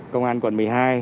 công an quận một mươi hai